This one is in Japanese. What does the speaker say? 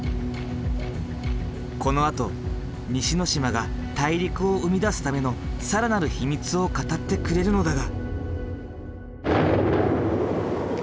このあと西之島が大陸を生み出すための更なる秘密を語ってくれるのだが。